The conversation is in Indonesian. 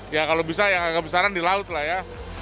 ya kalau bisa yang agak besaran di laut lah ya